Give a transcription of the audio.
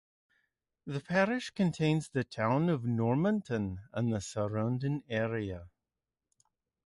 The parish contains the town of Normanton and the surrounding area.